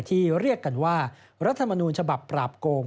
เรียกกันว่ารัฐมนูญฉบับปราบโกง